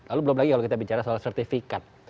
lalu belum lagi kalau kita bicara soal sertifikat